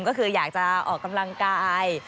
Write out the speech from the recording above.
ก็คืออยากจะออกกำลังกาย